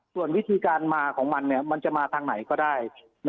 ส่วนวิธีการมาของมันมันจะมาทางไหนก็ได้